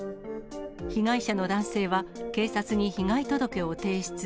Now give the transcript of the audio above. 被害者の男性は、警察に被害届を提出。